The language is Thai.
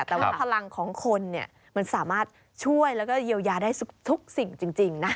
แต่ว่าพลังของคนเนี่ยมันสามารถช่วยแล้วก็เยียวยาได้ทุกสิ่งจริงนะ